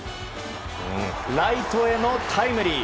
ライトへのタイムリー。